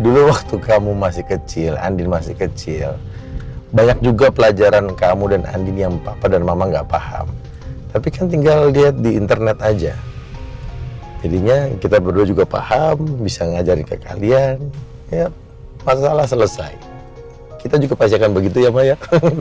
dulu waktu kamu masih kecil andin masih kecil banyak juga pelajaran kamu dan andini yang papa dan mama nggak paham tapi kan tinggal lihat di internet aja jadinya kita berdua juga paham bisa ngajarin ke kalian ya masalah selesai kita juga pasti akan begitu ya pak ya